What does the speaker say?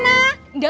nggak mau kemana